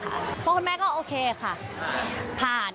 เพราะคุณแม่ก็โอเคค่ะผ่าน